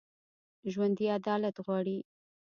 ژوندي عدالت غواړي